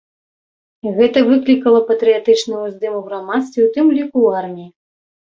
Гэта выклікала патрыятычны ўздым у грамадстве, у тым ліку ў арміі.